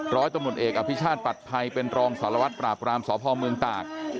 ร้อยตำรวจเอกอภิชาติปัดภัยเป็นรองสารวัตรปราบรามสพเมืองตาก